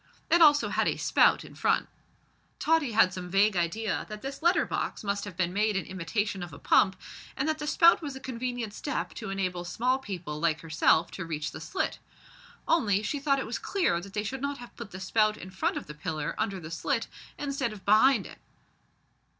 It also had a spout in front. Tottie had some vague idea that this letter box must have been made in imitation of a pump, and that the spout was a convenient step to enable small people like herself to reach the slit. Only, she thought it queer that they should not have put the spout in front of the pillar under the slit, instead of behind it.